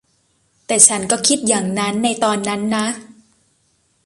แต่ฉันก็คิดอย่างนั้นในตอนนั้นนะ